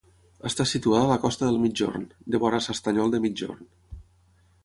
Està situada a la costa del migjorn, devora s'Estanyol de Migjorn.